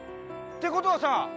ってことはさ